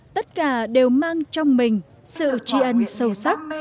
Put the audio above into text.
tất cả đều mang trong mình sự tri ân sâu sắc